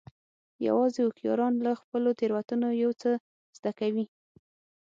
یوازې هوښیاران له خپلو تېروتنو یو څه زده کوي.